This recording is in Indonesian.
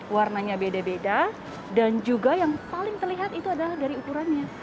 warnanya beda beda dan juga yang paling terlihat itu adalah dari ukurannya